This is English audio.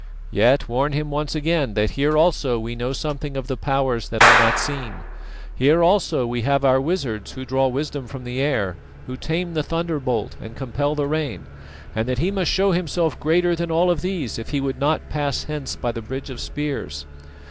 Yet warn him once again that here also we know something of the Powers that are not seen, here also we have our wizards who draw wisdom from the air, who tame the thunderbolt and compel the rain, and that he must show himself greater than all of these if he would not pass hence by the bridge of spears.